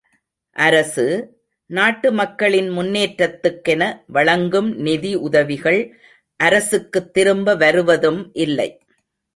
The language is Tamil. அரசு, நாட்டு மக்களின் முன்னேற்றத்துக்கென வழங்கும் நிதி உதவிகள் அரசுக்குத் திரும்ப வருவதும் இல்லை!